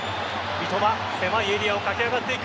三笘、狭いエリアを駆け上がっていく。